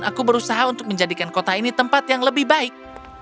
aku berusaha untuk menjadikan kota ini tempat yang lebih baik